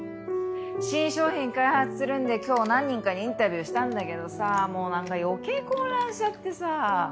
新商品開発するんで今日何人かにインタビューしたんだけどさもう何か余計混乱しちゃってさ。